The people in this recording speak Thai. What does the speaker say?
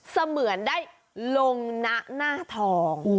เสมือนได้ลงนะหน้าทอง